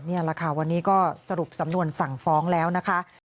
นี่แหละค่ะวันนี้ก็สรุปสำนวนสั่งฟ้องแล้วนะคะ